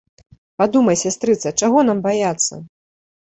Падумай, сястрыца, чаго нам баяцца?